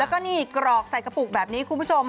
แล้วก็นี่กรอกใส่กระปุกแบบนี้คุณผู้ชม